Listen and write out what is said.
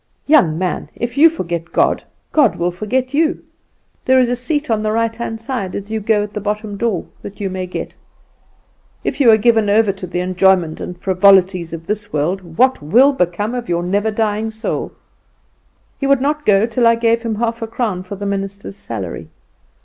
Young man, if you forget God, God will forget you. There is a seat on the right hand side as you go at the bottom door that you may get. If you are given over to the enjoyment and frivolities of this world, what will become of your never dying soul?' "He would not go till I gave him half a crown for the minister's salary.